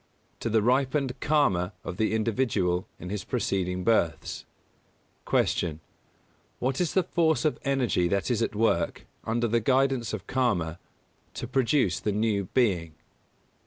To the ripened Karma of the individual in his preceding births. 238. Q. _What is the force of energy that is at work, under the guidance of Karma, to produce the new being?